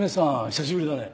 久しぶりだね。